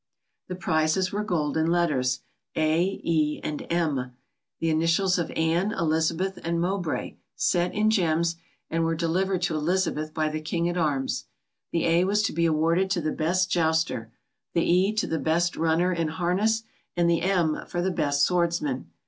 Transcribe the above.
The prizes were golden letters, A, E, and M, the initials of Anne, Elizabeth, and Mowbray, set in gems, and were delivered to Elizabeth by the king at arms. The A was to be awarded to the best jouster, the E to the best runner in harness, and the M for the best swordsman.